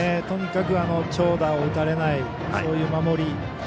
とにかく長打を打たれないそういう守り